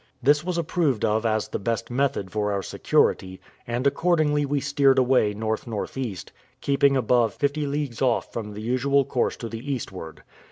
This was approved of as the best method for our security, and accordingly we steered away NNE., keeping above fifty leagues off from the usual course to the eastward.